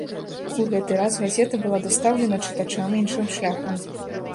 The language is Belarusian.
У гэты раз газета была дастаўлена чытачам іншым шляхам.